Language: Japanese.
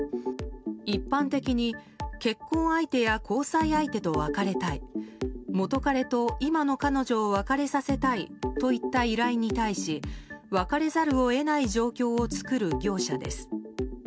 一般的に結婚相手や交際相手と別れたい元カレと今の彼女を別れさせたいといった依頼に対し、別れざるを得ない状況を作る業者です。